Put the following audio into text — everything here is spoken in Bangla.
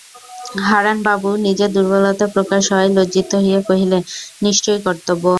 হারানবাবু নিজের দুর্বলতা প্রকাশ হওয়ায় লজ্জিত হইয়া কহিলেন, নিশ্চয়ই কর্তব্য।